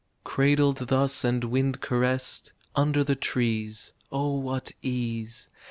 "Cradled thus and wind caressed," Under the trees, (Oh what ease.)